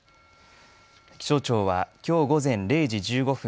気象庁は、きょう午前０時１５分